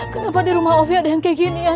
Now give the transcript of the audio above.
kenapa di rumah alfie ada yang kayak gini ya